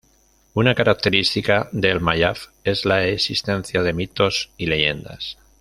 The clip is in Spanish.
Una característica del Mayab es la existencia de mitos y leyendas.